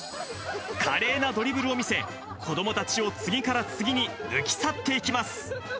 華麗なドリブルを見せ、子どもたちを次から次に抜き去っていきます。